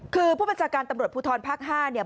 คือผู้บัญชาการตำรวจภูทรภาค๕เนี่ย